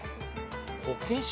こけし？